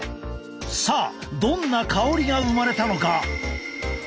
さあどんな香りが生まれたのか？